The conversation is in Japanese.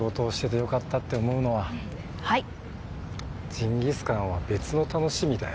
ジンギスカンは別の楽しみだよ。